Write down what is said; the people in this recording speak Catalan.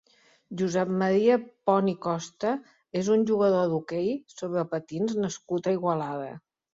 Josep Maria Pont i Costa és un jugador d'hoquei sobre patins nascut a Igualada.